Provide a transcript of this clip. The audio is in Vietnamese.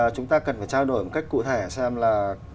chúng ta cần phải trao đổi một cách cụ thể xem là